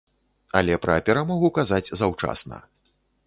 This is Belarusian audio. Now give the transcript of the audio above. Але пра перамогу казаць заўчасна.